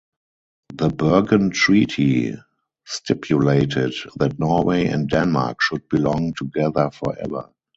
The Bergen Treaty stipulated that Norway and Denmark should belong together forever.